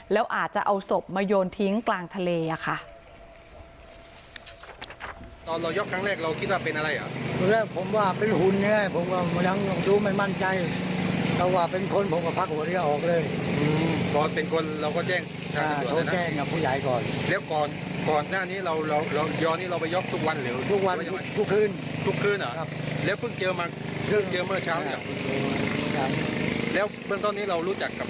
แล้วอาจจะเอาศพมาโยนทิ้งกลางทะเลค่ะ